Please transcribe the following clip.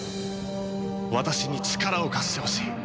私に力を貸してほしい。